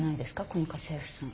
この家政婦さん。